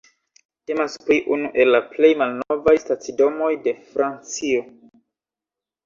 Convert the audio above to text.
Temas pri unu el la plej malnovaj stacidomoj de Francio.